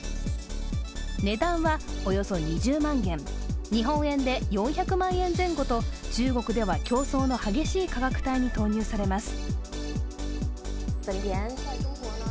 値段は、およそ２０万元、日本円で４００万円前後と、中国では競争の激しい価格帯に投入されます。